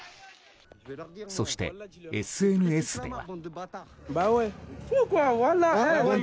そして、ＳＮＳでは。